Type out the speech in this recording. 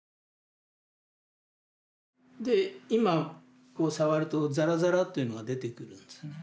で今こう触るとザラザラっていうのが出てくるんですね。